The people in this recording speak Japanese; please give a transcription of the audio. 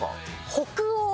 北欧。